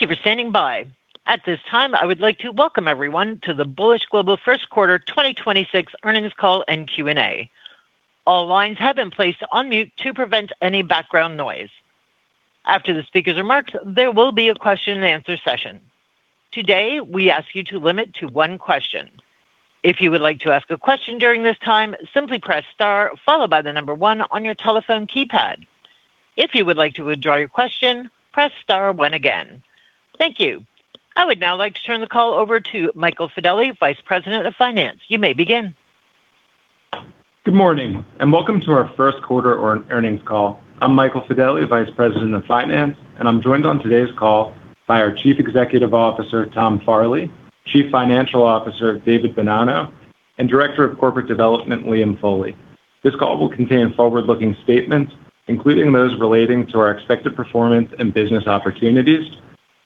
Thank you for standing by. At this time, I would like to welcome everyone to the Bullish Global First Quarter 2026 earnings call and Q&A. All lines have been placed on mute to prevent any background noise. After the speaker's remarks, there will be a question-and-answer session. Today, we ask you to limit to one question. If you would like to ask a question during this time, simply press star followed by the number one on your telephone keypad. If you would like to withdraw your question, press star one again. Thank you. I would now like to turn the call over to Michael Fedele, Vice President of Finance. You may begin. Good morning, welcome to our first quarter earnings call. I'm Michael Fedele, Vice President of Finance, and I'm joined on today's call by our Chief Executive Officer, Tom Farley, Chief Financial Officer, David Bonanno, and Director of Corporate Development, Liam Foley. This call will contain forward-looking statements, including those relating to our expected performance and business opportunities,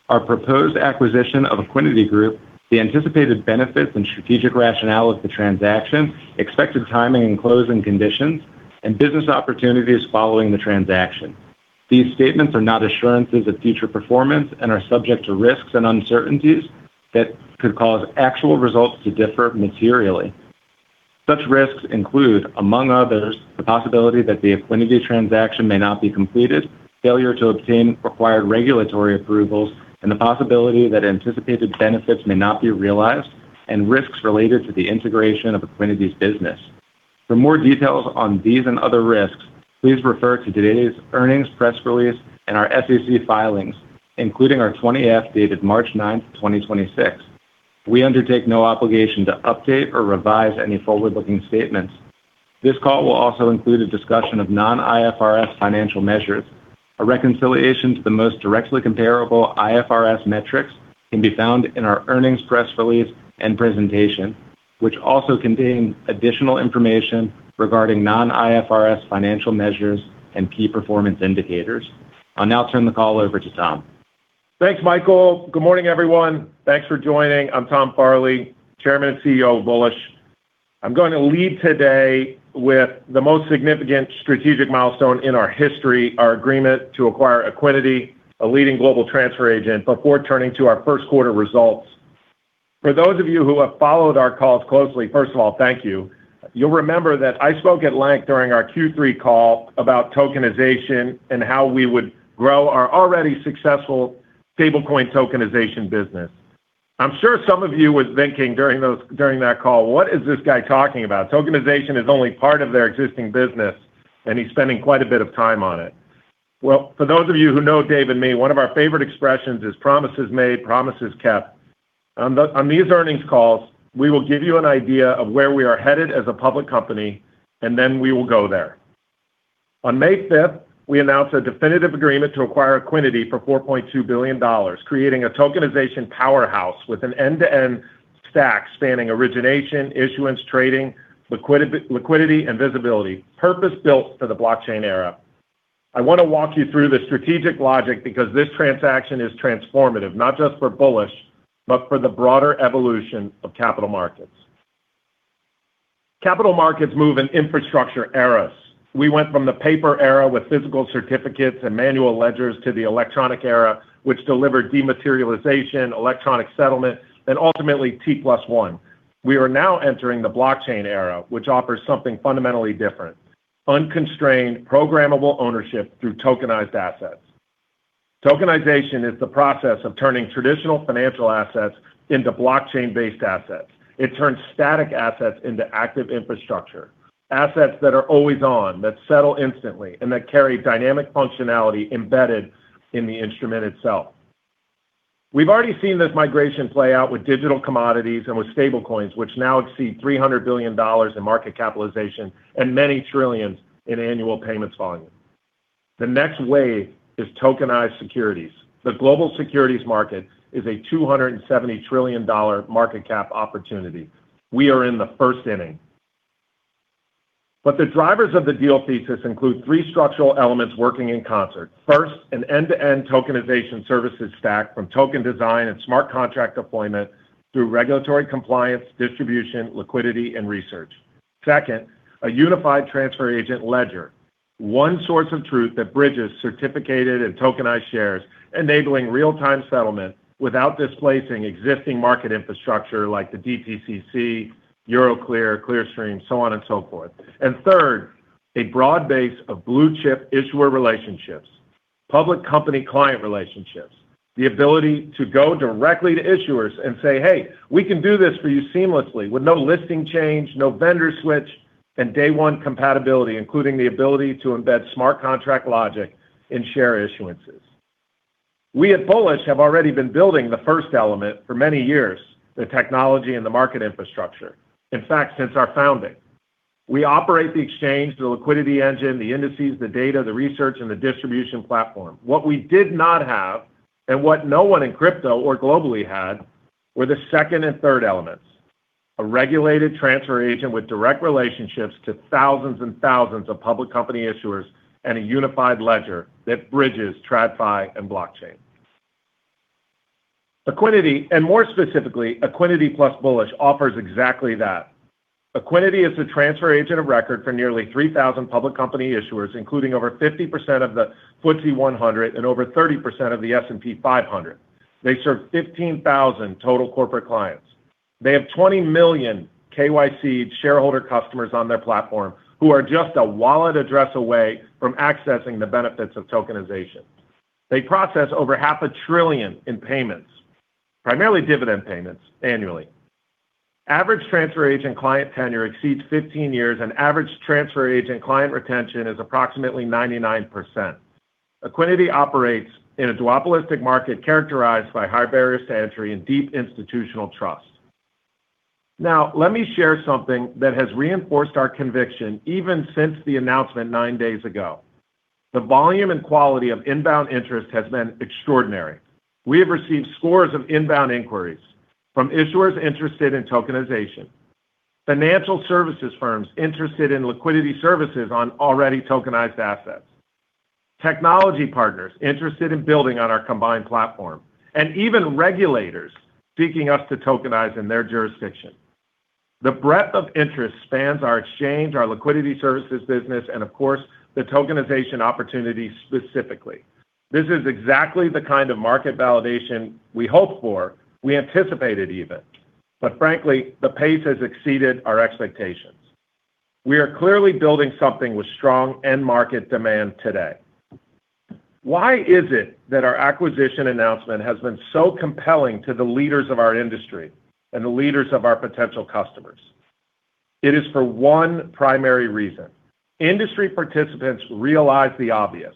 our proposed acquisition of Equiniti Group, the anticipated benefits and strategic rationale of the transaction, expected timing and closing conditions, and business opportunities following the transaction. These statements are not assurances of future performance and are subject to risks and uncertainties that could cause actual results to differ materially. Such risks include, among others, the possibility that the Equiniti transaction may not be completed, failure to obtain required regulatory approvals, and the possibility that anticipated benefits may not be realized, and risks related to the integration of Equiniti's business. For more details on these and other risks, please refer to today's earnings press release and our SEC filings, including our 20-F dated March 9th, 2026. We undertake no obligation to update or revise any forward-looking statements. This call will also include a discussion of non-IFRS financial measures. A reconciliation to the most directly comparable IFRS metrics can be found in our earnings press release and presentation, which also contain additional information regarding non-IFRS financial measures and key performance indicators. I'll now turn the call over to Tom. Thanks, Michael. Good morning, everyone. Thanks for joining. I'm Tom Farley, Chairman and CEO of Bullish. I'm going to lead today with the most significant strategic milestone in our history, our agreement to acquire Equiniti, a leading global transfer agent, before turning to our first quarter results. For those of you who have followed our calls closely, first of all, thank you. You'll remember that I spoke at length during our Q3 call about tokenization and how we would grow our already successful stablecoin tokenization business. I'm sure some of you was thinking during that call, what is this guy talking about? Tokenization is only part of their existing business, and he's spending quite a bit of time on it. Well, for those of you who know Dave and me, one of our favorite expressions is promises made, promises kept. On these earnings calls, we will give you an idea of where we are headed as a public company, then we will go there. On May 5th, we announced a definitive agreement to acquire Equiniti for $4.2 billion, creating a tokenization powerhouse with an end-to-end stack spanning origination, issuance, trading, liquidity, and visibility, purpose-built for the blockchain era. I wanna walk you through the strategic logic because this transaction is transformative, not just for Bullish, but for the broader evolution of capital markets. Capital markets move in infrastructure eras. We went from the paper era with physical certificates and manual ledgers to the electronic era, which delivered dematerialization, electronic settlement, and ultimately T+1. We are now entering the blockchain era, which offers something fundamentally different, unconstrained programmable ownership through tokenized assets. Tokenization is the process of turning traditional financial assets into blockchain-based assets. It turns static assets into active infrastructure, assets that are always on, that settle instantly, and that carry dynamic functionality embedded in the instrument itself. We've already seen this migration play out with digital commodities and with stablecoins, which now exceed $300 billion in market capitalization and many trillions in annual payments volume. The next wave is tokenized securities. The global securities market is a $270 trillion market cap opportunity. We are in the first inning. The drivers of the deal thesis include three structural elements working in concert. First, an end-to-end tokenization services stack from token design and smart contract deployment through regulatory compliance, distribution, liquidity, and research. Second, a unified transfer agent ledger, one source of truth that bridges certificated and tokenized shares, enabling real-time settlement without displacing existing market infrastructure like the DTCC, Euroclear, Clearstream, so on and so forth. Third, a broad base of blue-chip issuer relationships, public company client relationships, the ability to go directly to issuers and say, "Hey, we can do this for you seamlessly with no listing change, no vendor switch, and day one compatibility, including the ability to embed smart contract logic in share issuances." We at Bullish have already been building the first element for many years, the technology and the market infrastructure. In fact, since our founding. We operate the exchange, the liquidity engine, the indices, the data, the research, and the distribution platform. What we did not have, and what no one in crypto or globally had, were the second and third elements, a regulated transfer agent with direct relationships to thousands and thousands of public company issuers and a unified ledger that bridges TradFi and blockchain. Equiniti, and more specifically, Equiniti plus Bullish offers exactly that. Equiniti is the transfer agent of record for nearly 3,000 public company issuers, including over 50% of the FTSE 100 and over 30% of the S&P 500. They serve 15,000 total corporate clients. They have 20 million KYC shareholder customers on their platform who are just a wallet address away from accessing the benefits of tokenization. They process over half a trillion in payments, primarily dividend payments annually. Average transfer agent client tenure exceeds 15 years. Average transfer agent client retention is approximately 99%. Equiniti operates in a duopolistic market characterized by high barriers to entry and deep institutional trust. Let me share something that has reinforced our conviction even since the announcement nine days ago. The volume and quality of inbound interest has been extraordinary. We have received scores of inbound inquiries from issuers interested in tokenization, financial services firms interested in liquidity services on already tokenized assets, technology partners interested in building on our combined platform, and even regulators seeking us to tokenize in their jurisdiction. The breadth of interest spans our exchange, our liquidity services business, and of course, the tokenization opportunity specifically. This is exactly the kind of market validation we hoped for, we anticipated even, but frankly, the pace has exceeded our expectations. We are clearly building something with strong end market demand today. Why is it that our acquisition announcement has been so compelling to the leaders of our industry and the leaders of our potential customers? It is for one primary reason. Industry participants realize the obvious.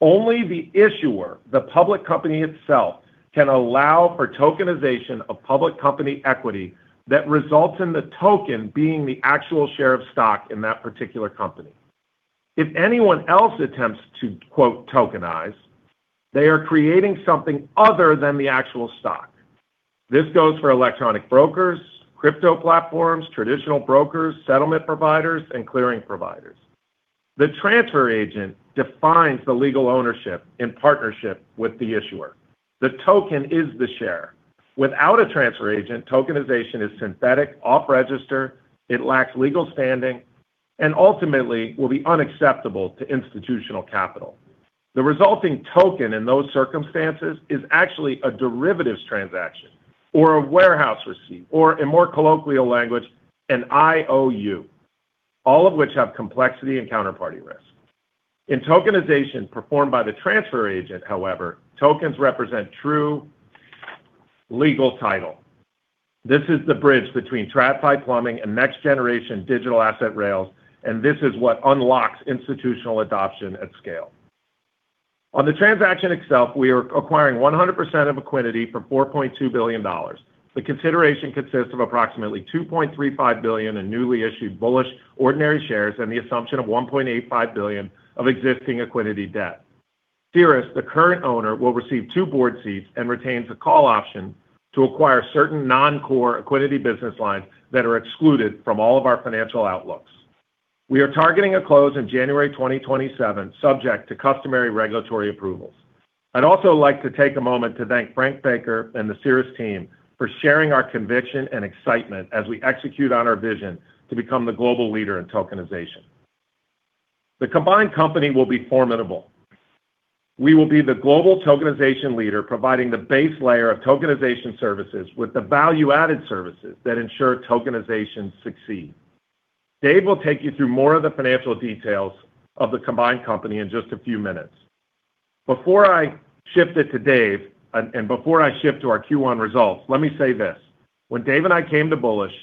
Only the issuer, the public company itself, can allow for tokenization of public company equity that results in the token being the actual share of stock in that particular company. If anyone else attempts to, quote, tokenize, they are creating something other than the actual stock. This goes for electronic brokers, crypto platforms, traditional brokers, settlement providers, and clearing providers. The transfer agent defines the legal ownership in partnership with the issuer. The token is the share. Without a transfer agent, tokenization is synthetic, off-register, it lacks legal standing, and ultimately will be unacceptable to institutional capital. The resulting token in those circumstances is actually a derivatives transaction or a warehouse receipt or, in more colloquial language, an IOU, all of which have complexity and counterparty risk. In tokenization performed by the transfer agent, however, tokens represent true legal title. This is the bridge between TradFi plumbing and next-generation digital asset rails, and this is what unlocks institutional adoption at scale. On the transaction itself, we are acquiring 100% of Equiniti for $4.2 billion. The consideration consists of approximately $2.35 billion in newly issued Bullish ordinary shares and the assumption of $1.85 billion of existing Equiniti debt. Siris, the current owner, will receive two Board seats and retains a call option to acquire certain non-core Equiniti business lines that are excluded from all of our financial outlooks. We are targeting a close in January 2027, subject to customary regulatory approvals. I'd also like to take a moment to thank Frank Baker and the Siris team for sharing our conviction and excitement as we execute on our vision to become the global leader in tokenization. The combined company will be formidable. We will be the global tokenization leader providing the base layer of tokenization services with the value-added services that ensure tokenization succeeds. Dave will take you through more of the financial details of the combined company in just a few minutes. Before I shift it to Dave, and before I shift to our Q1 results, let me say this. When Dave and I came to Bullish,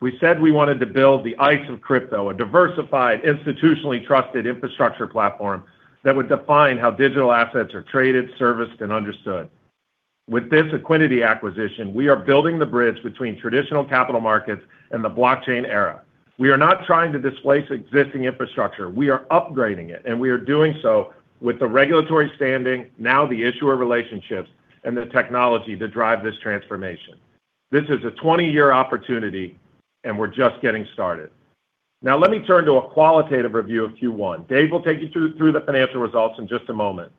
we said we wanted to build the ICE of crypto, a diversified, institutionally trusted infrastructure platform that would define how digital assets are traded, serviced, and understood. With this Equiniti acquisition, we are building the bridge between traditional capital markets and the blockchain era. We are not trying to displace existing infrastructure. We are upgrading it, and we are doing so with the regulatory standing, now the issuer relationships, and the technology to drive this transformation. This is a 20-year opportunity, and we're just getting started. Let me turn to a qualitative review of Q1. Dave will take you through the financial results in just a moment.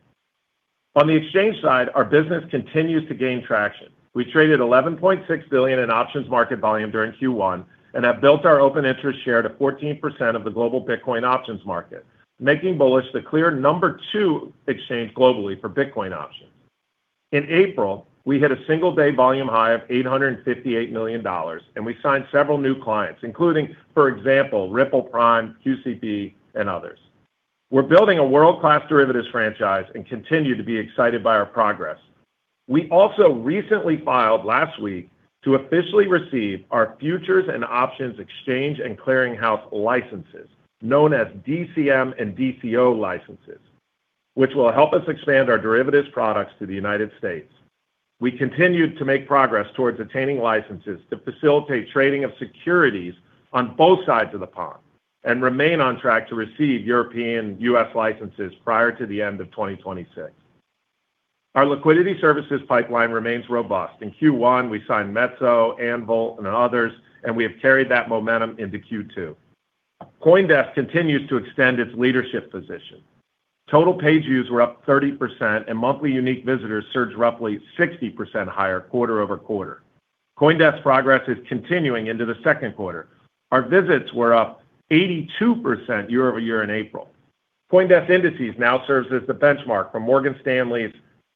On the exchange side, our business continues to gain traction. We traded $11.6 billion in options market volume during Q1 and have built our open interest share to 14% of the global Bitcoin options market, making Bullish the clear number 2 exchange globally for Bitcoin options. In April, we hit a single-day volume high of $858 million. We signed several new clients, including, for example, Ripple Prime, QCP, and others. We're building a world-class derivatives franchise and continue to be excited by our progress. We also recently filed last week to officially receive our futures and options exchange and clearinghouse licenses, known as DCM and DCO licenses, which will help us expand our derivatives products to the U.S. We continued to make progress towards attaining licenses to facilitate trading of securities on both sides of the pond and remain on track to receive European and U.S. licenses prior to the end of 2026. Our liquidity services pipeline remains robust. In Q1, we signed Metso, Anvil, and others. We have carried that momentum into Q2. CoinDesk continues to extend its leadership position. Total page views were up 30%, and monthly unique visitors surged roughly 60% higher quarter-over-quarter. CoinDesk progress is continuing into the second quarter. Our visits were up 82% year-over-year in April. CoinDesk indices now serves as the benchmark for Morgan Stanley's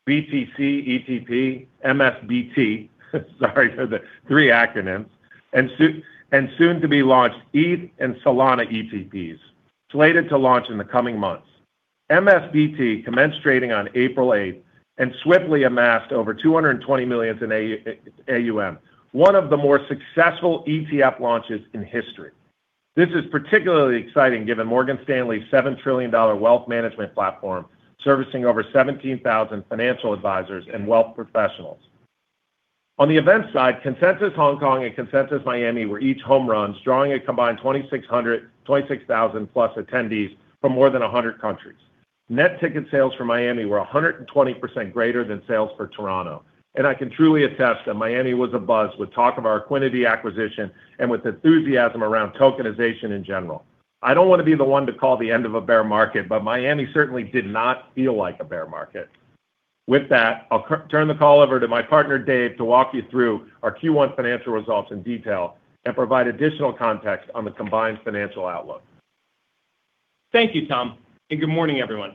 BTC ETP, MSBT, sorry for the three acronyms, and soon to be launched ETH and Solana ETPs, slated to launch in the coming months. MSBT commenced trading on April 8 and swiftly amassed over $220 million in AUM, one of the more successful ETF launches in history. This is particularly exciting given Morgan Stanley's $7 trillion wealth management platform servicing over 17,000 financial advisors and wealth professionals. On the event side, Consensus Hong Kong and Consensus Miami were each home runs, drawing a combined 26,000+ attendees from more than 100 countries. Net ticket sales for Miami were 120% greater than sales for Toronto. I can truly attest that Miami was abuzz with talk of our Equiniti acquisition and with enthusiasm around tokenization in general. I don't wanna be the one to call the end of a bear market. Miami certainly did not feel like a bear market. With that, I'll turn the call over to my partner, Dave, to walk you through our Q1 financial results in detail and provide additional context on the combined financial outlook. Thank you, Tom, and good morning, everyone.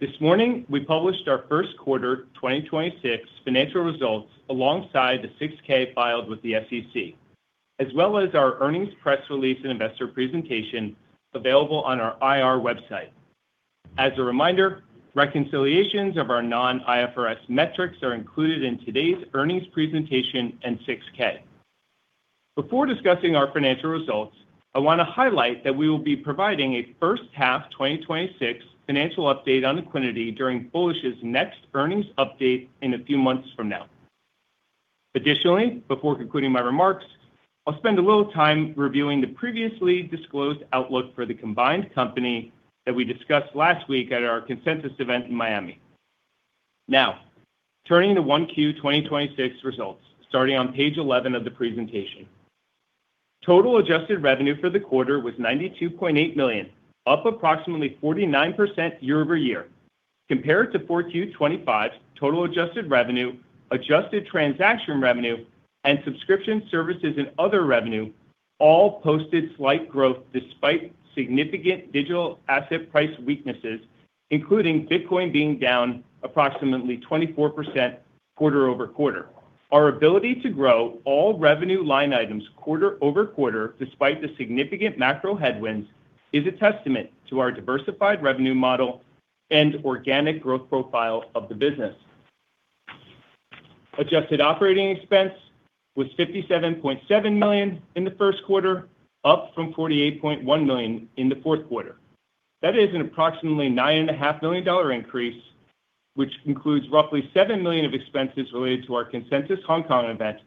This morning, we published our first quarter 2026 financial results alongside the 6-K filed with the SEC, as well as our earnings press release and investor presentation available on our IR website. As a reminder, reconciliations of our non-IFRS metrics are included in today's earnings presentation and 6-K. Before discussing our financial results, I wanna highlight that we will be providing a first half 2026 financial update on Equiniti during Bullish's next earnings update in a few months from now. Additionally, before concluding my remarks, I'll spend a little time reviewing the previously disclosed outlook for the combined company that we discussed last week at our Consensus event in Miami. Turning to 1Q 2026 results, starting on page 11 of the presentation. Total adjusted revenue for the quarter was $92.8 million, up approximately 49% year-over-year. Compared to 4Q 2025, total adjusted revenue, adjusted transaction revenue, and subscription services and other revenue all posted slight growth despite significant digital asset price weaknesses, including Bitcoin being down approximately 24% quarter-over-quarter. Our ability to grow all revenue line items quarter-over-quarter despite the significant macro headwinds is a testament to our diversified revenue model and organic growth profile of the business. Adjusted operating expense was $57.7 million in the first quarter, up from $48.1 million in the fourth quarter. That is an approximately $9.5 million increase, which includes roughly $7 million of expenses related to our Consensus Hong Kong event,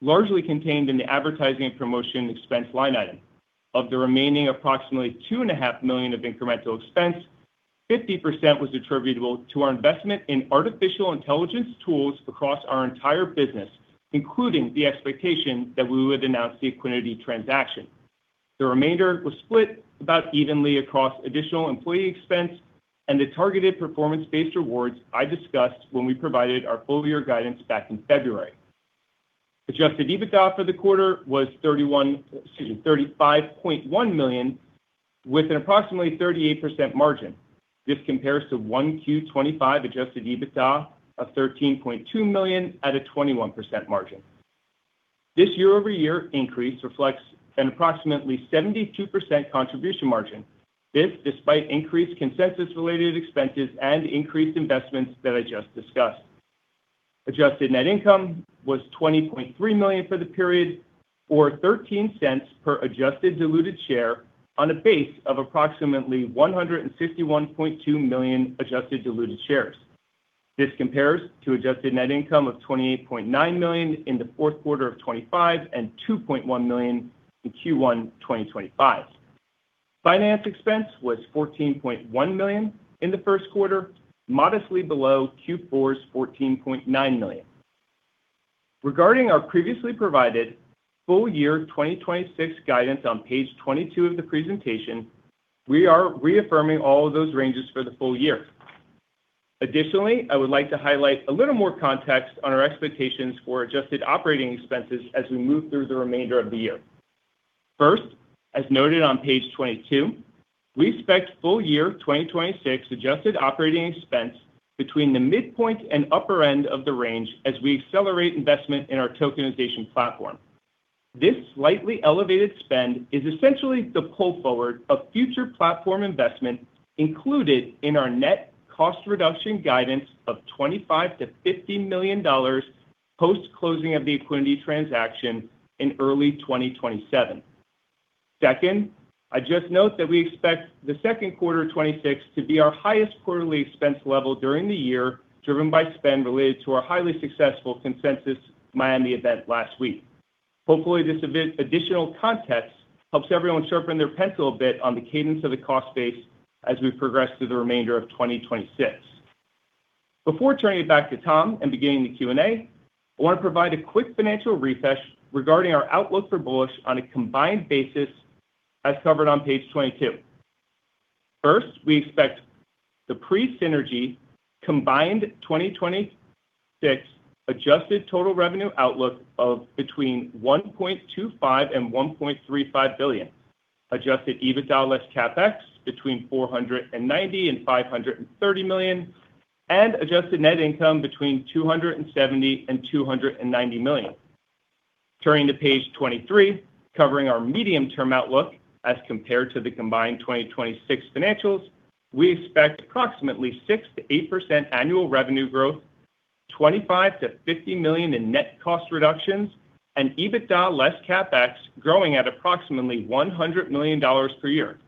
largely contained in the advertising and promotion expense line item. Of the remaining approximately $2.5 million of incremental expense, 50% was attributable to our investment in artificial intelligence tools across our entire business, including the expectation that we would announce the Equiniti transaction. The remainder was split about evenly across additional employee expense and the targeted performance-based rewards I discussed when we provided our full-year guidance back in February. Adjusted EBITDA for the quarter was $35.1 million, with an approximately 38% margin. This compares to 1Q 2025 adjusted EBITDA of $13.2 million at a 21% margin. This year-over-year increase reflects an approximately 72% contribution margin. This despite increased Consensus-related expenses and increased investments that I just discussed. Adjusted net income was $20.3 million for the period, or $0.13 per adjusted diluted share on a base of approximately 151.2 million adjusted diluted shares. This compares to adjusted net income of $28.9 million in the fourth quarter of 2025 and $2.1 million in Q1 2025. Finance expense was $14.1 million in the first quarter, modestly below Q4's $14.9 million. Regarding our previously provided full year 2026 guidance on page 22 of the presentation, we are reaffirming all of those ranges for the full year. Additionally, I would like to highlight a little more context on our expectations for adjusted operating expenses as we move through the remainder of the year. First, as noted on page 22, we expect full year 2026 adjusted operating expense between the midpoint and upper end of the range as we accelerate investment in our tokenization platform. This slightly elevated spend is essentially the pull forward of future platform investment included in our net cost reduction guidance of $25 million-$50 million post-closing of the Equiniti transaction in early 2027. Second, I just note that we expect the second quarter of 2026 to be our highest quarterly expense level during the year, driven by spend related to our highly successful Consensus Miami event last week. Hopefully, this additional context helps everyone sharpen their pencil a bit on the cadence of the cost base as we progress through the remainder of 2026. Before turning it back to Tom and beginning the Q&A, I want to provide a quick financial refresh regarding our outlook for Bullish on a combined basis as covered on page 22. First, we expect the pre-synergy combined 2026 adjusted total revenue outlook of between $1.25 billion and $1.35 billion, adjusted EBITDA less CapEx between $490 million and $530 million, and adjusted net income between $270 million and $290 million. Turning to page 23, covering our medium-term outlook as compared to the combined 2026 financials, we expect approximately 6%-8% annual revenue growth, $25 million-$50 million in net cost reductions, and EBITDA less CapEx growing at approximately $100 million per year.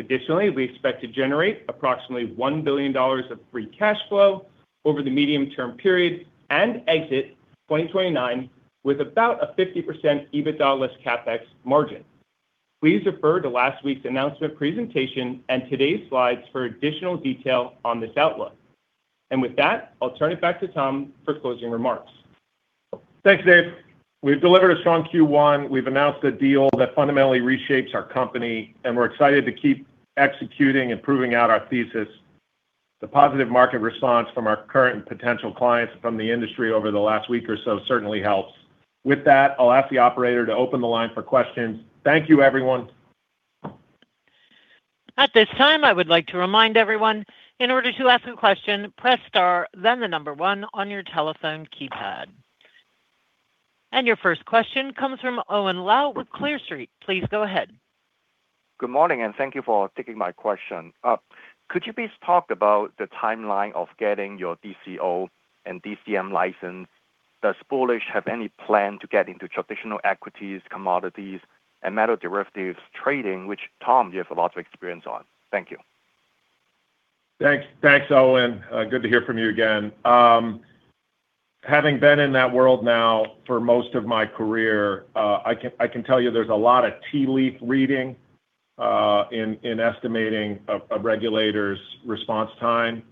Additionally, we expect to generate approximately $1 billion of free cash flow over the medium-term period and exit 2029 with about a 50% EBITDA less CapEx margin. Please refer to last week's announcement presentation and today's slides for additional detail on this outlook. With that, I'll turn it back to Tom for closing remarks. Thanks, Dave. We've delivered a strong Q1. We've announced a deal that fundamentally reshapes our company, and we're excited to keep executing and proving out our thesis. The positive market response from our current and potential clients from the industry over the last week or so certainly helps. With that, I'll ask the operator to open the line for questions. Thank you, everyone. At this time, I would like to remind everyone, in order to ask a question, press star then the number one on your telephone keypad. Your first question comes from Owen Lau with Clear Street. Please go ahead. Good morning, thank you for taking my question. Could you please talk about the timeline of getting your DCO and DCM license? Does Bullish have any plan to get into traditional equities, commodities, and metal derivatives trading, which, Tom, you have a lot of experience on? Thank you. Thanks, Owen. Good to hear from you again. Having been in that world now for most of my career, I can tell you there's a lot of tea leaf reading in estimating a regulator's response time.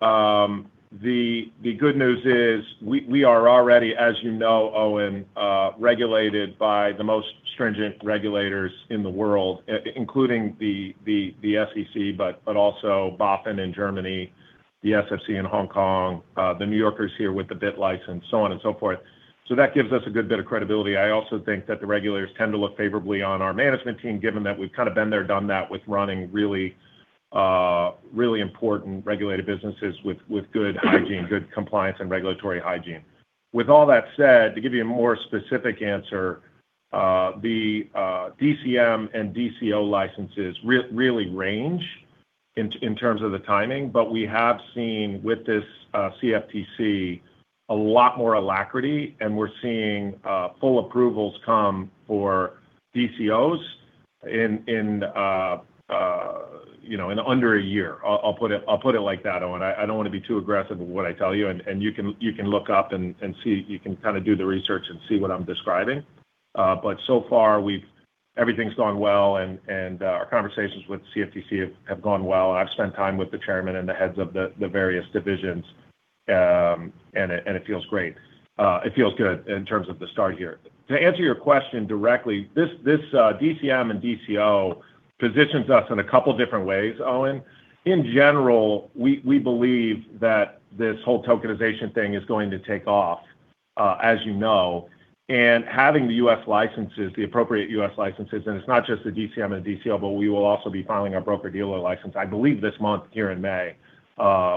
The good news is we are already, as you know, Owen, regulated by the most stringent regulators in the world, including the SEC, but also BaFin in Germany, the SFC in Hong Kong, the New Yorkers here with the BitLicense, so on and so forth. That gives us a good bit of credibility. I also think that the regulators tend to look favorably on our management team, given that we've kind of been there, done that with running really important regulated businesses with good hygiene, good compliance and regulatory hygiene. With all that said, to give you a more specific answer, the DCM and DCO licenses really range in terms of the timing. We have seen with this CFTC a lot more alacrity, and we're seeing full approvals come for DCOs in, you know, in under a year. I'll put it like that, Owen. I don't want to be too aggressive with what I tell you, and you can look up and see. You can kind of do the research and see what I'm describing. So far, we've, everything's gone well, and our conversations with CFTC have gone well. I've spent time with the chairman and the heads of the various divisions, and it feels great. It feels good in terms of the start here. To answer your question directly, this DCM and DCO positions us in a couple different ways, Owen. In general, we believe that this whole tokenization thing is going to take off, as you know, and having the U.S. licenses, the appropriate U.S. licenses, and it's not just the DCM and DCO, but we will also be filing our broker-dealer license, I believe this month here in May,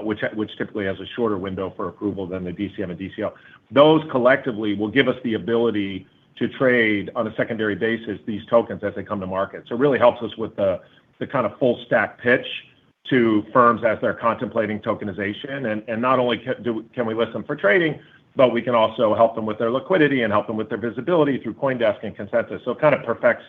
which typically has a shorter window for approval than the DCM and DCO. Those collectively will give us the ability to trade on a secondary basis these tokens as they come to market. It really helps us with the kind of full stack pitch to firms as they're contemplating tokenization. Not only can we list them for trading, but we can also help them with their liquidity and help them with their visibility through CoinDesk and Consensus. It kind of perfects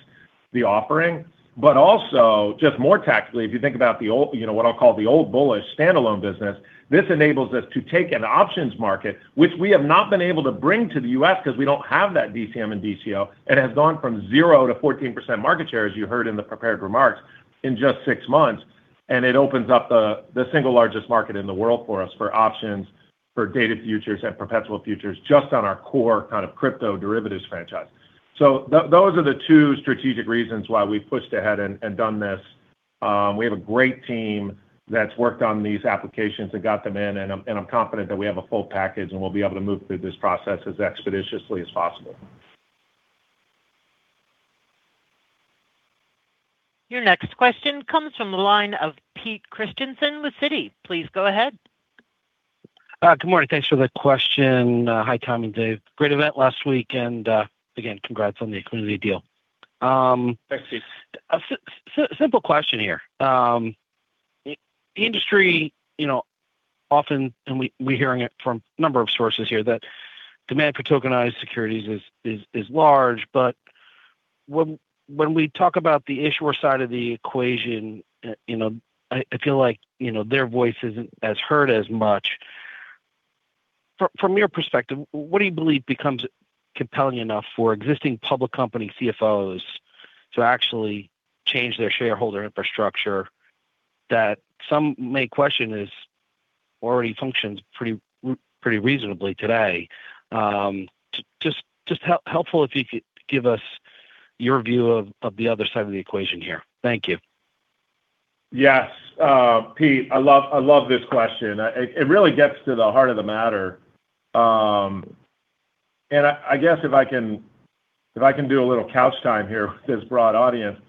the offering. Also, just more tactically, if you think about the old, you know, what I'll call the old Bullish standalone business, this enables us to take an options market, which we have not been able to bring to the U.S. because we don't have that DCM and DCO, and has gone from 0% to 14% market share, as you heard in the prepared remarks, in just six months. It opens up the single largest market in the world for us for options, for data futures, and perpetual futures, just on our core kind of crypto derivatives franchise. Those are the two strategic reasons why we pushed ahead and done this. We have a great team that's worked on these applications and got them in, and I'm confident that we have a full package, and we'll be able to move through this process as expeditiously as possible. Your next question comes from the line of Pete Christiansen with Citi. Please go ahead. Good morning. Thanks for the question. Hi, Tom and Dave. Great event last week, and again, congrats on the Equiniti deal. Thanks, Pete. A simple question here. Industry, you know, often, and we're hearing it from a number of sources here, that demand for tokenized securities is large, but when we talk about the issuer side of the equation, you know, I feel like, you know, their voice isn't as heard as much. From your perspective, what do you believe becomes compelling enough for existing public company CFOs to actually change their shareholder infrastructure that some may question is already functions pretty reasonably today? Just helpful if you could give us your view of the other side of the equation here. Thank you. Yes. Pete, I love this question. It really gets to the heart of the matter. I guess if I can do a little couch time here with this broad audience,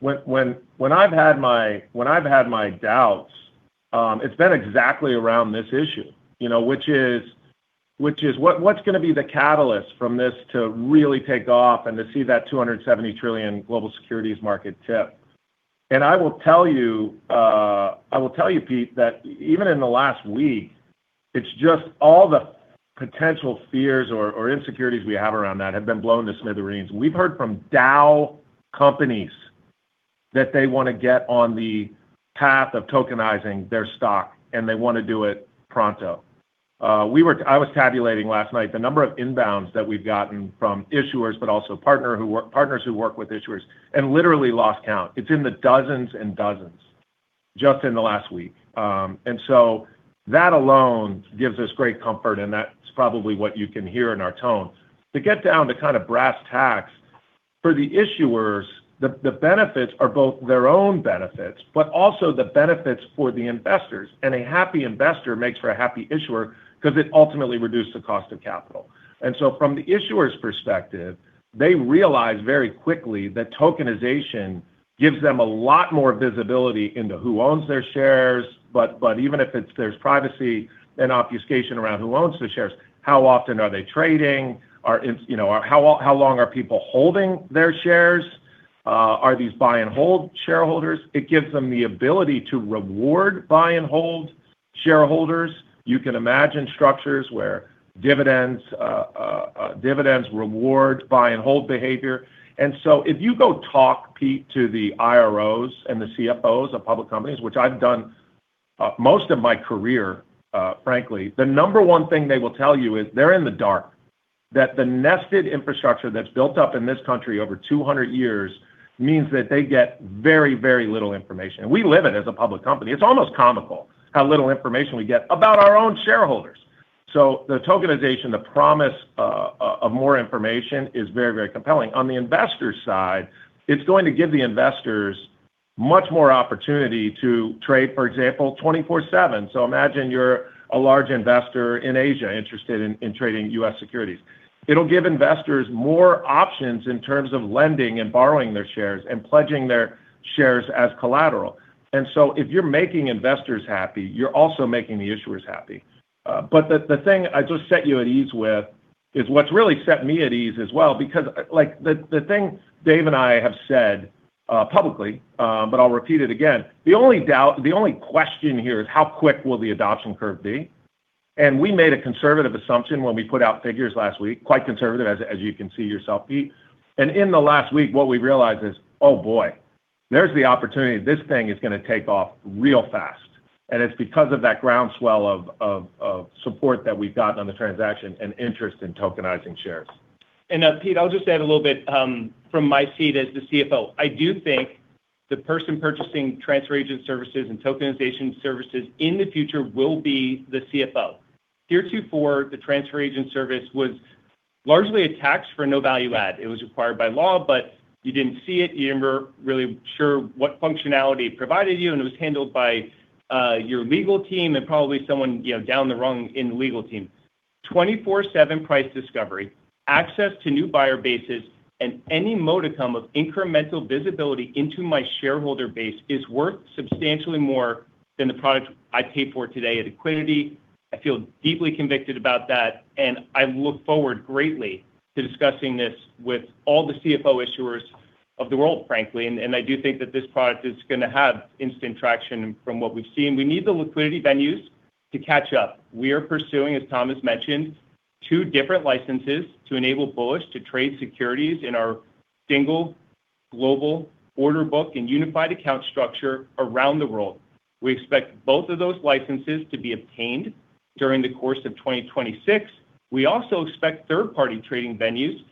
when I've had my doubts, it's been exactly around this issue, you know, which is what's gonna be the catalyst from this to really take off and to see that $270 trillion global securities market tip? I will tell you, Pete, that even in the last week, it's just all the potential fears or insecurities we have around that have been blown to smithereens. We've heard from Dow companies that they want to get on the path of tokenizing their stock, and they wanna do it pronto. I was tabulating last night the number of inbounds that we've gotten from issuers, but also partners who work with issuers, and literally lost count. It's in the dozens and dozens, just in the last week. That alone gives us great comfort, and that's probably what you can hear in our tone. To get down to kind of brass tacks, for the issuers, the benefits are both their own benefits, but also the benefits for the investors. A happy investor makes for a happy issuer 'cause it ultimately reduced the cost of capital. From the issuer's perspective, they realize very quickly that tokenization gives them a lot more visibility into who owns their shares. Even if it's, there's privacy and obfuscation around who owns the shares, how often are they trading? You know, how long are people holding their shares? Are these buy and hold shareholders? It gives them the ability to reward buy and hold shareholders. You can imagine structures where dividends reward buy and hold behavior. If you go talk, Pete, to the IROs and the CFOs of public companies, which I've done, most of my career, frankly, the number one thing they will tell you is they're in the dark. That the nested infrastructure that's built up in this country over 200 years means that they get very little information. We live it as a public company. It's almost comical how little information we get about our own shareholders. The tokenization, the promise of more information is very compelling. On the investor side, it's going to give the investors much more opportunity to trade, for example, 24/7. Imagine you're a large investor in Asia interested in trading U.S. securities. It'll give investors more options in terms of lending and borrowing their shares and pledging their shares as collateral. If you're making investors happy, you're also making the issuers happy. The thing I just set you at ease with is what's really set me at ease as well because, like, the thing Dave and I have said publicly, but I'll repeat it again, the only doubt, the only question here is how quick will the adoption curve be? We made a conservative assumption when we put out figures last week, quite conservative, as you can see yourself, Pete. In the last week, what we realized is, oh, boy, there's the opportunity. This thing is gonna take off real fast. It's because of that groundswell of support that we've gotten on the transaction and interest in tokenizing shares. Pete, I'll just add a little bit from my seat as the CFO. I do think the person purchasing transfer agent services and tokenization services in the future will be the CFO. Heretofore, the transfer agent service was largely a tax for no value add. It was required by law, but you didn't see it. You never really sure what functionality it provided you, and it was handled by your legal team and probably someone, you know, down the rung in the legal team. 24/7 price discovery, access to new buyer bases, and any modicum of incremental visibility into my shareholder base is worth substantially more than the product I pay for today at Equiniti. I feel deeply convicted about that, and I look forward greatly to discussing this with all the CFO issuers of the world, frankly. I do think that this product is gonna have instant traction from what we've seen. We need the liquidity venues to catch up. We are pursuing, as Tom has mentioned, two different licenses to enable Bullish to trade securities in our single global order book and unified account structure around the world. We expect both of those licenses to be obtained during the course of 2026. We also expect third-party trading venues,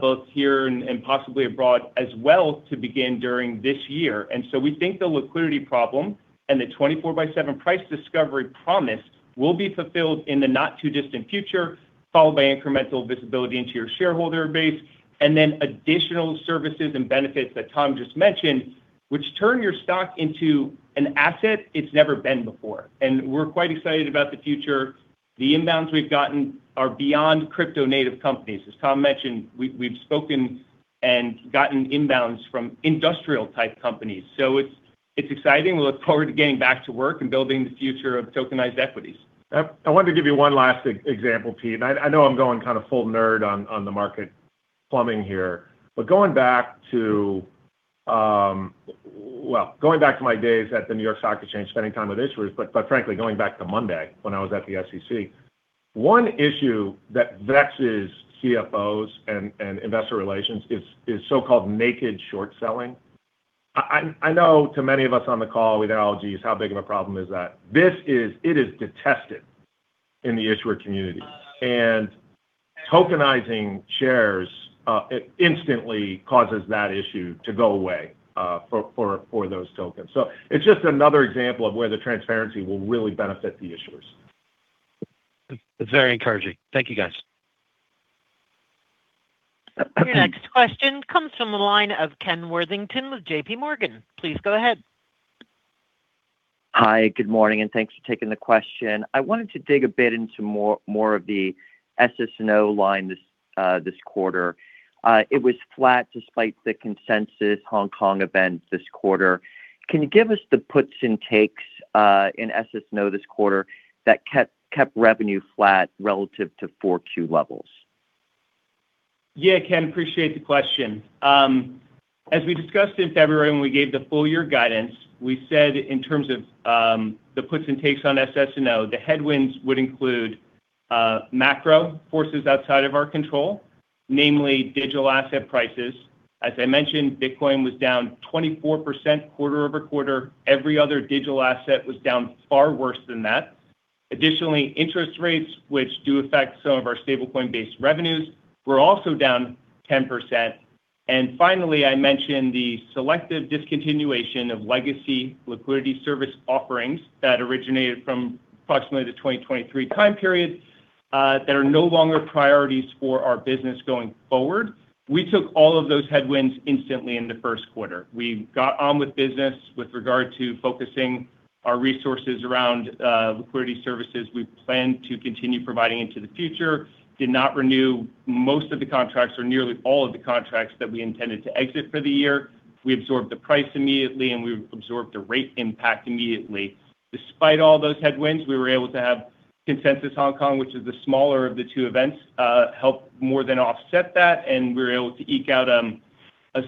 both here and possibly abroad as well to begin during this year. We think the liquidity problem and the 24/7 price discovery promise will be fulfilled in the not too distant future, followed by incremental visibility into your shareholder base, and then additional services and benefits that Tom just mentioned, which turn your stock into an asset it's never been before. We're quite excited about the future. The inbounds we've gotten are beyond crypto native companies. As Tom mentioned, we've spoken and gotten inbounds from industrial type companies. It's exciting. We look forward to getting back to work and building the future of tokenized equities. I wanted to give you one last example, Pete. I know I'm going kind of full nerd on the market plumbing here. Going back to my days at the New York Stock Exchange, spending time with issuers, frankly, going back to Monday when I was at the SEC, one issue that vexes CFOs and investor relations is so-called naked short selling. I know to many of us on the call with LGs, how big of a problem is that? It is detested in the issuer community. Tokenizing shares, it instantly causes that issue to go away for those tokens. It's just another example of where the transparency will really benefit the issuers. That's very encouraging. Thank you, guys. Your next question comes from the line of Ken Worthington with JPMorgan. Please go ahead. Hi, good morning, and thanks for taking the question. I wanted to dig a bit into more of the SS&O line this quarter. It was flat despite the Consensus Hong Kong events this quarter. Can you give us the puts and takes in SS&O this quarter that kept revenue flat relative to 4Q levels? Ken, appreciate the question. As we discussed in February when we gave the full year guidance, we said in terms of the puts and takes on SS&O, the headwinds would include macro forces outside of our control, namely digital asset prices. As I mentioned, Bitcoin was down 24% quarter-over-quarter. Every other digital asset was down far worse than that. Additionally, interest rates, which do affect some of our stablecoin-based revenues, were also down 10%. Finally, I mentioned the selective discontinuation of legacy liquidity service offerings that originated from approximately the 2023 time period that are no longer priorities for our business going forward. We took all of those headwinds instantly in the first quarter. We got on with business with regard to focusing our resources around liquidity services we plan to continue providing into the future. Did not renew most of the contracts or nearly all of the contracts that we intended to exit for the year. We absorbed the price immediately, and we absorbed the rate impact immediately. Despite all those headwinds, we were able to have Consensus Hong Kong, which is the smaller of the two events, help more than offset that, and we were able to eke out a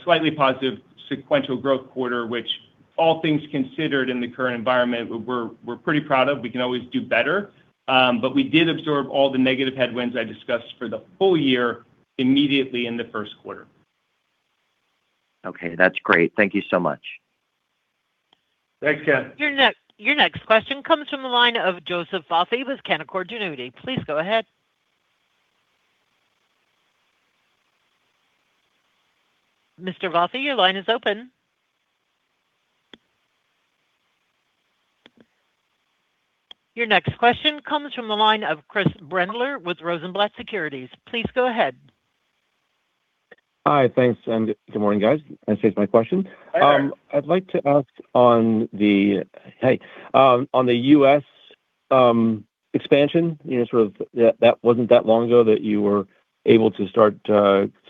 slightly positive sequential growth quarter, which all things considered in the current environment, we're pretty proud of. We can always do better, but we did absorb all the negative headwinds I discussed for the full year immediately in the first quarter. Okay, that's great. Thank you so much. Thanks, Ken. Your next question comes from the line of Joseph Vafi with Canaccord Genuity. Please go ahead. Mr. Vafi, your line is open. Your next question comes from the line of Chris Brendler with Rosenblatt Securities. Please go ahead. Hi, thanks, and good morning, guys. I saved my question. I'd like to ask on the U.S. expansion, you know, sort of that wasn't that long ago that you were able to start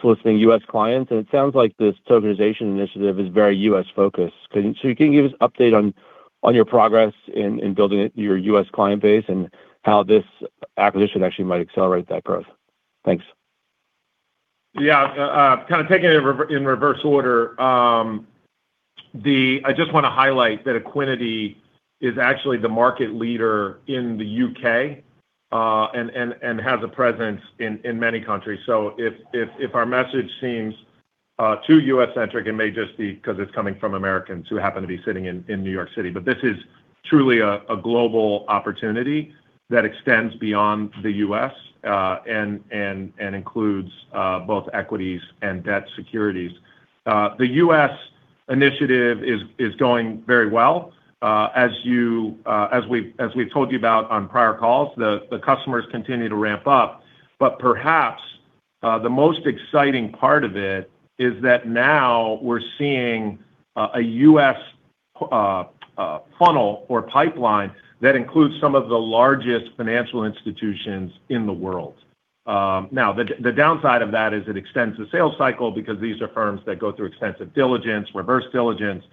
soliciting U.S. clients, and it sounds like this tokenization initiative is very U.S.-focused. Can you give us an update on your progress in building your U.S. client base and how this acquisition actually might accelerate that growth? Thanks. Kind of taking it in reverse order. I just wanna highlight that Equiniti is actually the market leader in the U.K. and has a presence in many countries. If our message seems too U.S.-centric, it may just be because it's coming from Americans who happen to be sitting in New York City. This is truly a global opportunity that extends beyond the U.S. and includes both equities and debt securities. The U.S. initiative is going very well. As we've told you about on prior calls, the customers continue to ramp up. Perhaps, the most exciting part of it is that now we're seeing a U.S. funnel or pipeline that includes some of the largest financial institutions in the world. Now the downside of that is it extends the sales cycle because these are firms that go through extensive diligence, reverse diligence,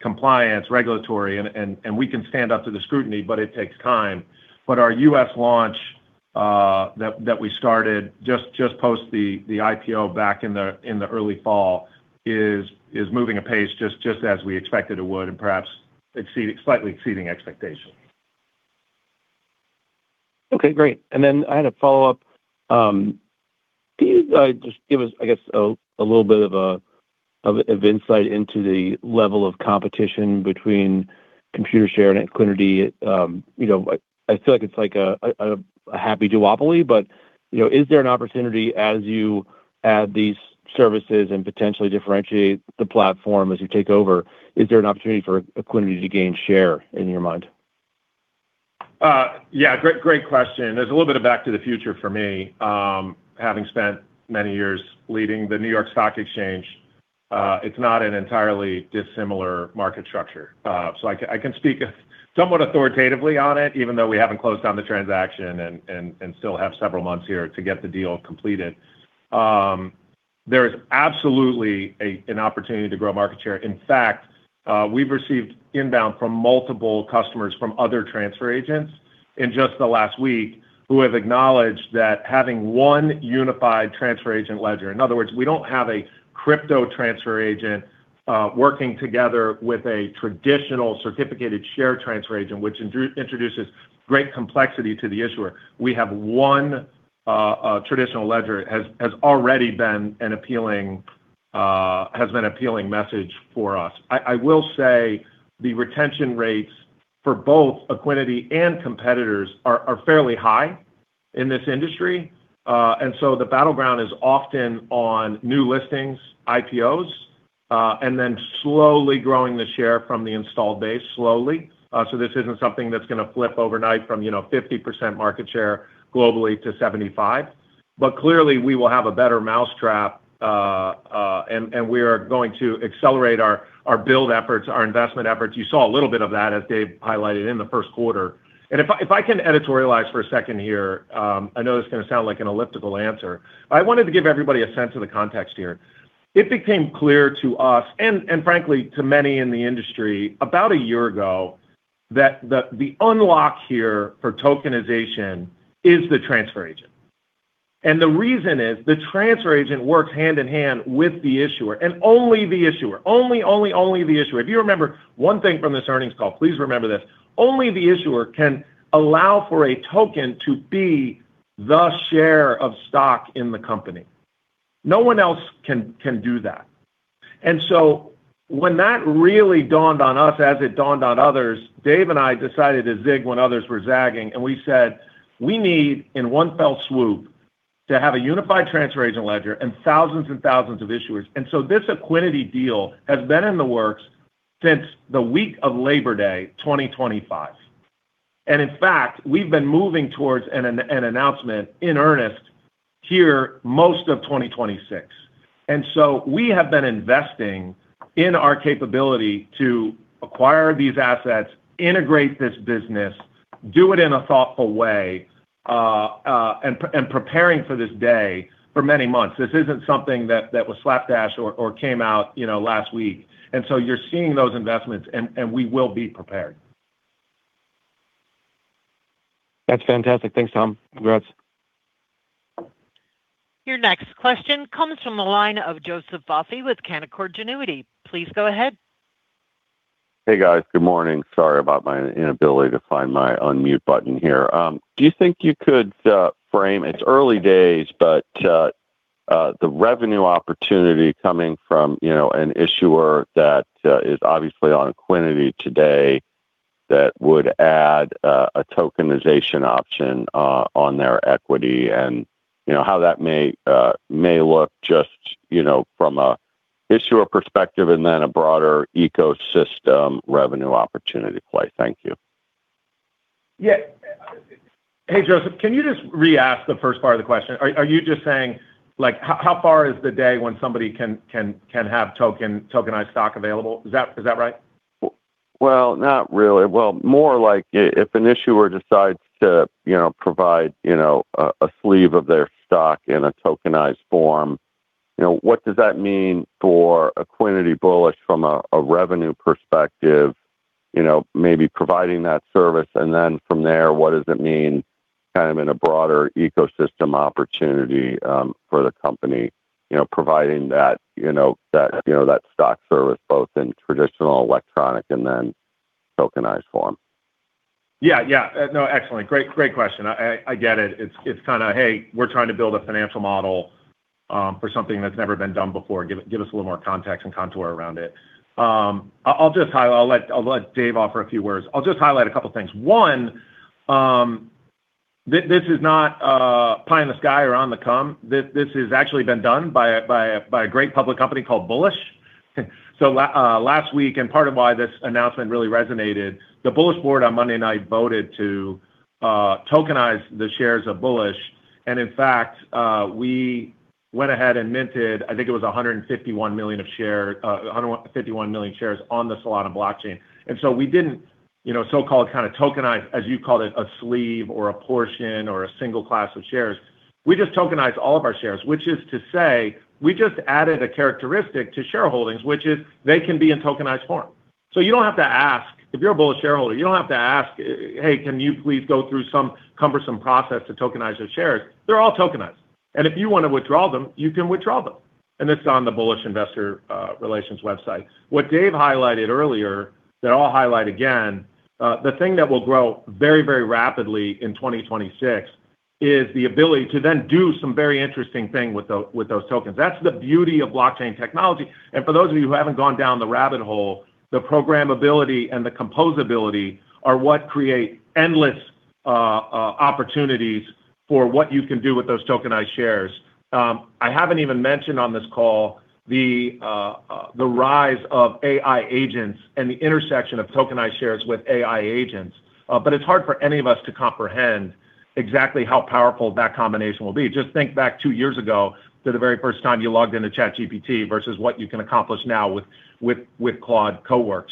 compliance, regulatory, and we can stand up to the scrutiny, but it takes time. Our U.S. launch that we started just post the IPO back in the early fall is moving a pace just as we expected it would and perhaps slightly exceeding expectations. Okay, great. I had a follow-up. Can you just give us, I guess, a little bit of insight into the level of competition between Computershare and Equiniti? You know, I feel like it's like a happy duopoly, you know, is there an opportunity as you add these services and potentially differentiate the platform as you take over, is there an opportunity for Equiniti to gain share in your mind? Yeah. Great question. There's a little bit of back to the future for me, having spent many years leading the New York Stock Exchange. It's not an entirely dissimilar market structure. I can speak somewhat authoritatively on it, even though we haven't closed on the transaction and still have several months here to get the deal completed. There is absolutely an opportunity to grow market share. In fact, we've received inbound from multiple customers from other transfer agents in just the last week who have acknowledged that having one unified transfer agent ledger. In other words, we don't have a crypto transfer agent, working together with a traditional certificated share transfer agent, which introduces great complexity to the issuer. A traditional ledger has already been appealing message for us. I will say the retention rates for both Equiniti and competitors are fairly high in this industry. The battleground is often on new listings, IPOs, then slowly growing the share from the installed base slowly. This isn't something that's gonna flip overnight from, you know, 50% market share globally to 75%. Clearly, we will have a better mousetrap, and we are going to accelerate our build efforts, our investment efforts. You saw a little bit of that as Dave highlighted in the first quarter. If I can editorialize for a second here, I know this is gonna sound like an elliptical answer. I wanted to give everybody a sense of the context here. It became clear to us and frankly, to many in the industry about a year ago that the unlock here for tokenization is the transfer agent. The reason is the transfer agent works hand in hand with the issuer, and only the issuer. Only the issuer. If you remember one thing from this earnings call, please remember this. Only the issuer can allow for a token to be the share of stock in the company. No one else can do that. When that really dawned on us as it dawned on others, Dave and I decided to zig when others were zagging, and we said, "We need, in one fell swoop, to have a unified transfer agent ledger and thousands and thousands of issuers." This Equiniti deal has been in the works since the week of Labor Day, 2025. In fact, we've been moving towards an announcement in earnest here most of 2026. We have been investing in our capability to acquire these assets, integrate this business, do it in a thoughtful way, and preparing for this day for many months. This isn't something that was slapdash or came out, you know, last week. You're seeing those investments and we will be prepared. That's fantastic. Thanks, Tom. Congrats. Your next question comes from the line of Joseph Vafi with Canaccord Genuity. Please go ahead. Hey, guys. Good morning. Sorry about my inability to find my unmute button here. Do you think you could frame, it's early days, but, the revenue opportunity coming from, you know, an issuer that, is obviously on Equiniti today that would add a tokenization option on their equity and, you know, how that may look just, you know, from a issuer perspective and then a broader ecosystem revenue opportunity play? Thank you. Yeah. Hey, Joseph, can you just re-ask the first part of the question? Are you just saying, like, how far is the day when somebody can have tokenized stock available? Is that right? Well, not really. Well, more like if an issuer decides to, you know, provide, you know, a sleeve of their stock in a tokenized form, you know, what does that mean for Equiniti Bullish from a revenue perspective? You know, maybe providing that service, and then from there, what does it mean kind of in a broader ecosystem opportunity for the company? You know, providing that, you know, that, you know, that stock service both in traditional electronic and then tokenized form. Excellent. Great question. I get it. It's kind of, hey, we're trying to build a financial model for something that's never been done before. Give us a little more context and contour around it. I'll let Dave offer a few words. I'll just highlight a couple things. One, this is not pie in the sky or on the come. This has actually been done by a great public company called Bullish. Last week, and part of why this announcement really resonated, the Bullish board on Monday night voted to tokenize the shares of Bullish. In fact, we went ahead and minted, I think it was 151 million shares on the Solana blockchain. We didn't, you know, so-called kind of tokenize, as you called it, a sleeve or a portion or a single class of shares. We just tokenized all of our shares, which is to say, we just added a characteristic to shareholdings, which is they can be in tokenized form. You don't have to ask, if you're a Bullish shareholder, you don't have to ask, "Hey, can you please go through some cumbersome process to tokenize those shares?" They're all tokenized. If you want to withdraw them, you can withdraw them. It's on the Bullish investor relations website. What Dave highlighted earlier, that I'll highlight again, the thing that will grow very, very rapidly in 2026 is the ability to then do some very interesting thing with those tokens. That's the beauty of blockchain technology. For those of you who haven't gone down the rabbit hole, the programmability and the composability are what create endless opportunities for what you can do with those tokenized shares. I haven't even mentioned on this call the rise of AI agents and the intersection of tokenized shares with AI agents. It's hard for any of us to comprehend exactly how powerful that combination will be. Just think back two years ago to the very first time you logged into ChatGPT versus what you can accomplish now with Claude Cowork.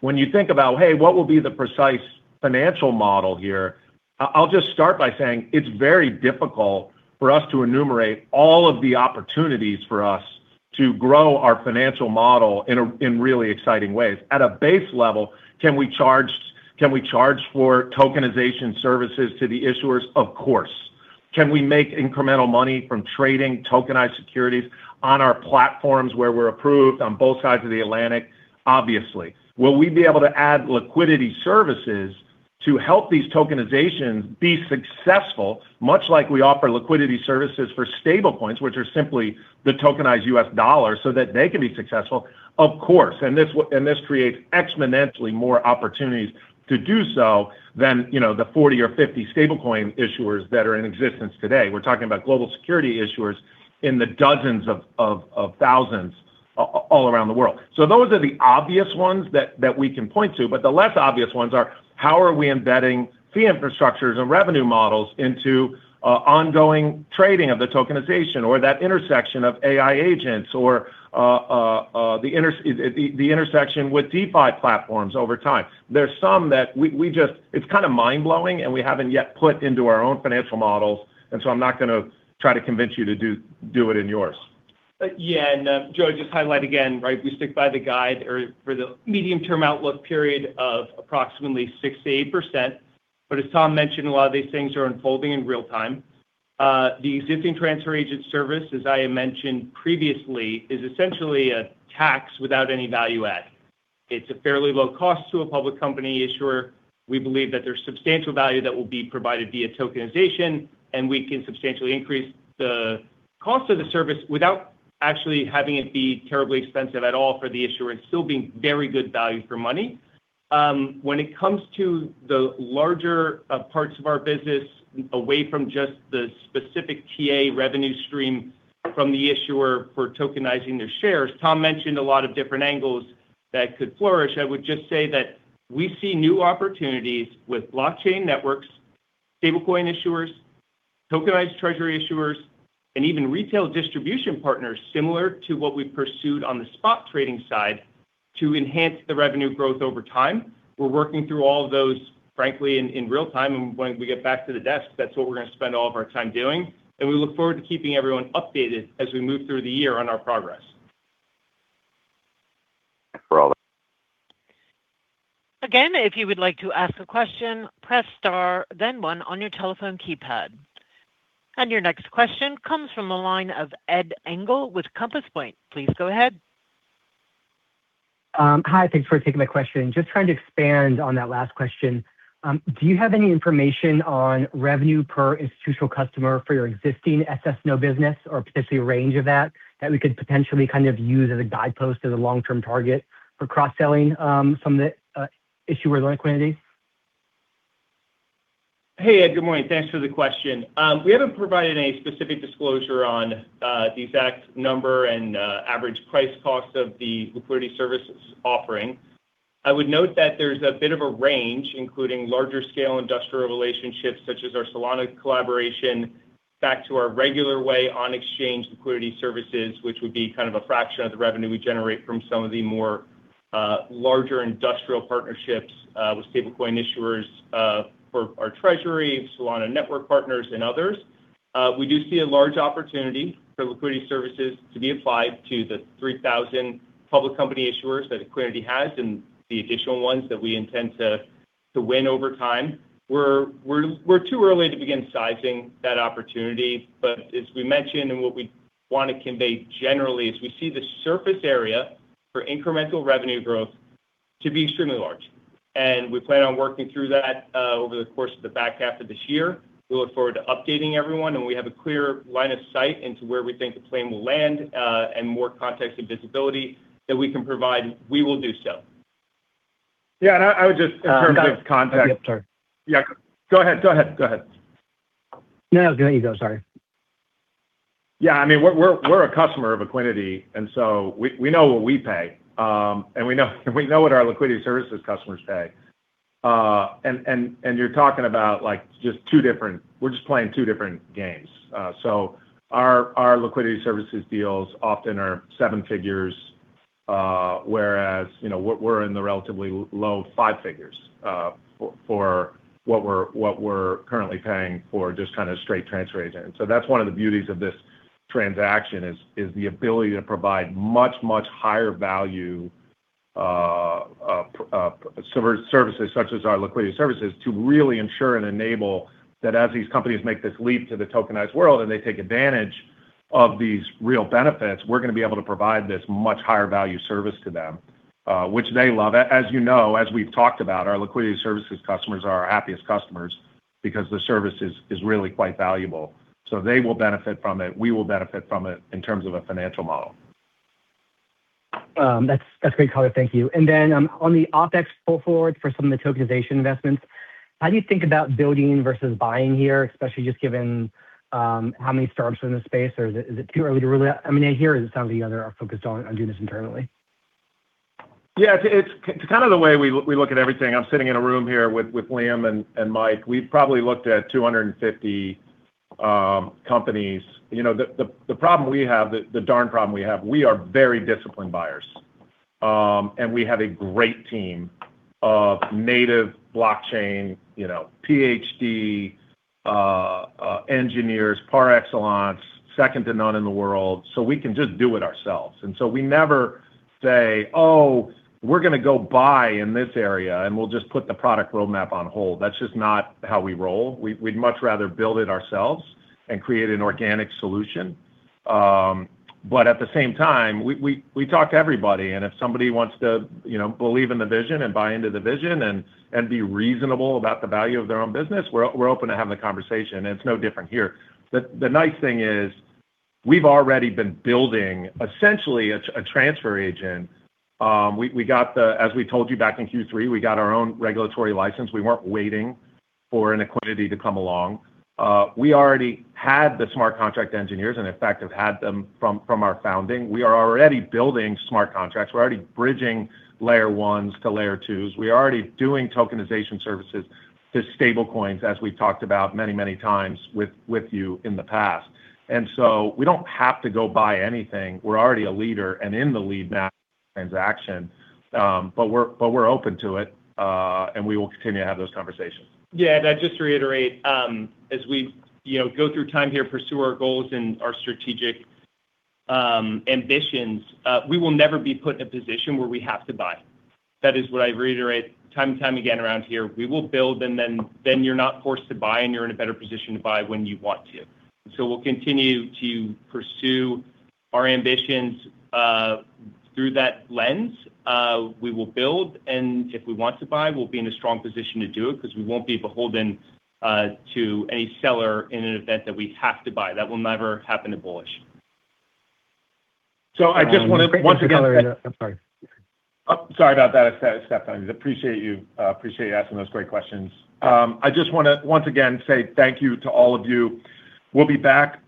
When you think about, hey, what will be the precise financial model here? I'll just start by saying it's very difficult for us to enumerate all of the opportunities for us to grow our financial model in really exciting ways. At a base level, can we charge for tokenization services to the issuers? Of course. Can we make incremental money from trading tokenized securities on our platforms where we're approved on both sides of the Atlantic? Obviously. Will we be able to add liquidity services to help these tokenizations be successful, much like we offer liquidity services for stablecoins, which are simply the tokenized U.S. dollar so that they can be successful, of course. This creates exponentially more opportunities to do so than, you know, the 40 or 50 stablecoin issuers that are in existence today. We're talking about global security issuers in the dozens of thousands all around the world. Those are the obvious ones that we can point to, but the less obvious ones are how are we embedding fee infrastructures and revenue models into ongoing trading of the tokenization or that intersection of AI agents or the intersection with DeFi platforms over time. There's some that we just It's kind of mind-blowing, and we haven't yet put into our own financial models, so I'm not gonna try to convince you to do it in yours. Yeah, Joe, just highlight again, right? We stick by the guide or for the medium-term outlook period of approximately 6%-8%. As Tom mentioned, a lot of these things are unfolding in real time. The existing transfer agent service, as I mentioned previously, is essentially a tax without any value add. It's a fairly low cost to a public company issuer. We believe that there's substantial value that will be provided via tokenization, and we can substantially increase the cost of the service without actually having it be terribly expensive at all for the issuer and still being very good value for money. When it comes to the larger parts of our business, away from just the specific TA revenue stream from the issuer for tokenizing their shares, Tom mentioned a lot of different angles that could flourish. I would just say that we see new opportunities with blockchain networks, stablecoin issuers, tokenized Treasury issuers, and even retail distribution partners similar to what we've pursued on the spot trading side to enhance the revenue growth over time. We're working through all of those, frankly, in real time. When we get back to the desk, that's what we're gonna spend all of our time doing. We look forward to keeping everyone updated as we move through the year on our progress. Again, if you would like to ask a question, press star then one on your telephone keypad. Your next question comes from the line of Ed Engel with Compass Point. Please go ahead. Hi, thanks for taking my question. Just trying to expand on that last question. Do you have any information on revenue per institutional customer for your existing SS&O business or potentially a range of that we could potentially kind of use as a guidepost as a long-term target for cross-selling some of the issuer liquidity? Hey, Ed, good morning. Thanks for the question. We haven't provided any specific disclosure on the exact number and average price cost of the liquidity services offering. I would note that there's a bit of a range, including larger scale industrial relationships such as our Solana collaboration back to our regular way on exchange liquidity services, which would be kind of a fraction of the revenue we generate from some of the more larger industrial partnerships with stablecoin issuers, for our treasury, Solana network partners, and others. We do see a large opportunity for liquidity services to be applied to the 3,000 public company issuers that Equiniti has and the additional ones that we intend to win over time. We're too early to begin sizing that opportunity. As we mentioned and what we wanna convey generally is we see the surface area for incremental revenue growth to be extremely large. We plan on working through that over the course of the back half of this year. We look forward to updating everyone, and when we have a clear line of sight into where we think the plane will land, and more context and visibility that we can provide, we will do so. Yeah, I would just in terms of context. Got it. Yep, sorry. Yeah, go ahead. No, you go. Sorry. Yeah, I mean, we're a customer of Equiniti, and so we know what we pay. We know what our liquidity services customers pay. You're talking about, like, we're just playing two different games. Our liquidity services deals often are 7 figures, whereas, you know, we're in the relatively low 5 figures for what we're currently paying for just kind of straight transfer agent. That's one of the beauties of this transaction is the ability to provide much, much higher value services such as our liquidity services to really ensure and enable that as these companies make this leap to the tokenized world and they take advantage of these real benefits, we're gonna be able to provide this much higher value service to them, which they love. As you know, as we've talked about, our liquidity services customers are our happiest customers because the service is really quite valuable. They will benefit from it, we will benefit from it in terms of a financial model. That's great color. Thank you. On the OpEx pull forward for some of the tokenization investments, how do you think about building versus buying here, especially just given how many startups are in this space? Is it too early to really I mean, I hear some of the other are focused on doing this internally. Yeah, it's kind of the way we look at everything. I'm sitting in a room here with Liam and Mike. We've probably looked at 250 companies. You know, the problem we have, the darn problem we have, we are very disciplined buyers. We have a great team of native blockchain, you know, PhD engineers, par excellence, second to none in the world, so we can just do it ourselves. We never say, "Oh, we're gonna go buy in this area, and we'll just put the product roadmap on hold." That's just not how we roll. We'd much rather build it ourselves and create an organic solution. At the same time, we talk to everybody, and if somebody wants to, you know, believe in the vision and buy into the vision and be reasonable about the value of their own business, we're open to having the conversation. It's no different here. The nice thing is we've already been building essentially a transfer agent. We got the As we told you back in Q3, we got our own regulatory license. We weren't waiting for an Equiniti to come along. We already had the smart contract engineers, and in fact, have had them from our founding. We are already building smart contracts. We're already bridging Layer 1s to Layer 2s. We are already doing tokenization services to stablecoins, as we've talked about many, many times with you in the past. We don't have to go buy anything. We're already a leader and in the lead now transaction. We're open to it, and we will continue to have those conversations. Yeah, I'd just reiterate, as we, you know, go through time here, pursue our goals and our strategic ambitions, we will never be put in a position where we have to buy. That is what I reiterate time and time again around here. We will build then you're not forced to buy, you're in a better position to buy when you want to. We'll continue to pursue our ambitions through that lens. We will build, if we want to buy, we'll be in a strong position to do it 'cause we won't be beholden to any seller in an event that we have to buy. That will never happen to Bullish. So I just wanna once again- Thanks for the color. I'm sorry. Sorry about that. I appreciate you, appreciate you asking those great questions. I just wanna once again say thank you to all of you. We'll be back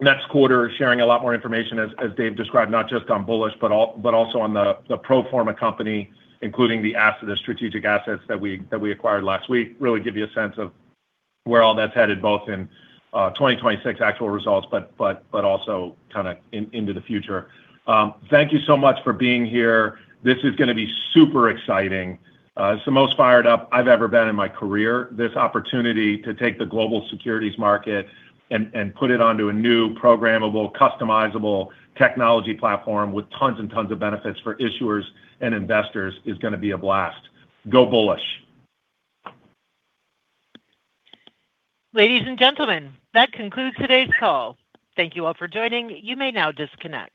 next quarter sharing a lot more information as Dave described, not just on Bullish, but also on the pro forma company, including the asset, the strategic assets that we, that we acquired last week, really give you a sense of where all that's headed, both in 2026 actual results, but also kinda into the future. Thank you so much for being here. This is gonna be super exciting. It's the most fired up I've ever been in my career. This opportunity to take the global securities market and put it onto a new programmable, customizable technology platform with tons and tons of benefits for issuers and investors is gonna be a blast. Go Bullish. Ladies and gentlemen, that concludes today's call. Thank you all for joining. You may now disconnect.